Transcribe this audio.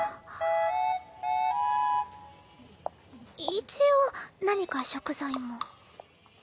一応何か食材も。